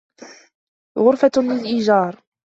غرفة للإيجار.